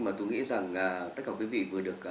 mà tôi nghĩ rằng tất cả quý vị vừa được